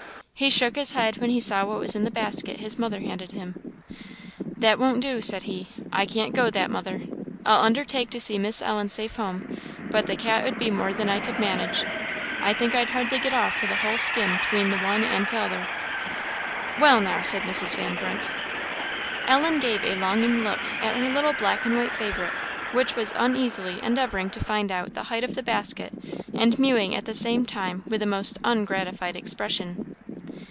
He shook his head when he saw what was in the basket his mother handed to him. "That won't do," said be; "I can't go that, mother. I'll undertake to see Miss Ellen safe home, but the cat 'ud be more than I could manage. I think I'd hardly get off with a whole skin 'tween the one and t'other." "Well, now!" said Mrs. Van Brunt. Ellen gave a longing look at her little black and white favourite, which was uneasily endeavouring to find out the height of the basket, and mewing at the same time with a most ungratified expression.